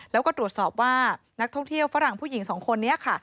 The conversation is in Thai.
แล้วก็ตรวจสอบว่านักท่องเที่ยวฝรั่งผู้หญิงสองคนนี้ค่ะ